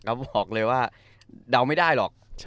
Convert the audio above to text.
แล้วบอกเลยว่าเดาไม่ได้หรอก